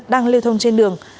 đang lưu thông trên đường